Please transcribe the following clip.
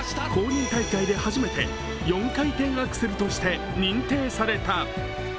公認大会で初めて４回転アクセルとして認定された。